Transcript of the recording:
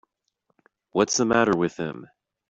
What's the matter with him.